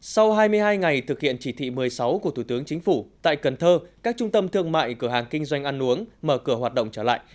sau hai mươi hai ngày thực hiện chỉ thị một mươi sáu của thủ tướng chính phủ tại cần thơ các trung tâm thương mại cửa hàng kinh doanh ăn uống mở cửa hoạt động trở lại